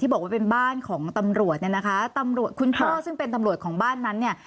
บอกว่าเป็นบ้านของตำรวจเนี่ยนะคะตำรวจคุณพ่อซึ่งเป็นตำรวจของบ้านนั้นเนี่ย